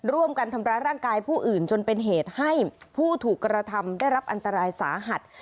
ร่วมกันทำร้ายร่างกายผู้อื่นจนเป็นเหตุให้ผู้ถูกกระทำได้รับอันตรายสาหัส